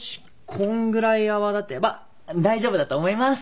こんぐらい泡立てば大丈夫だと思います。